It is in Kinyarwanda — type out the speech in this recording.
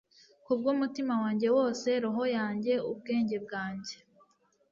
kubwumutima wanjye wose, roho yanjye, ubwenge bwanjye